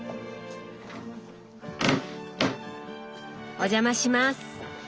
お邪魔します！